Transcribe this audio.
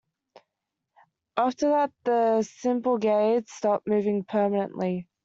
After that, the Symplegades stopped moving permanently.